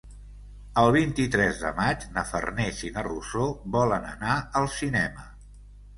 El vint-i-tres de maig na Farners i na Rosó volen anar al cinema.